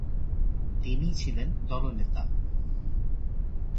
তিনিই ছিলেন দলনেতা।